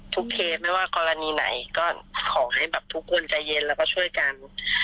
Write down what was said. เคสไม่ว่ากรณีไหนก็ขอให้แบบทุกคนใจเย็นแล้วก็ช่วยกัน